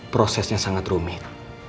prosesnya sangat rumit